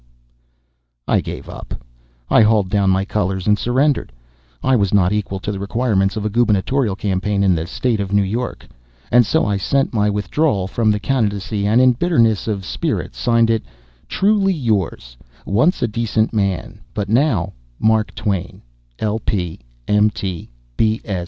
I gave it up. I hauled down my colors and surrendered. I was not equal to the requirements of a Gubernatorial campaign in the state of New York, and so I sent in my withdrawal from the candidacy, and in bitterness of spirit signed it, "Truly yours, once a decent man, but now "MARK TWAIN, I.P., M.